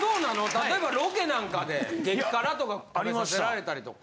例えばロケなんかで激辛とか食べさせられたりとか。